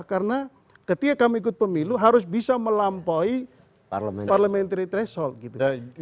karena ketika kamu ikut pemilu harus bisa melampaui parliamentary threshold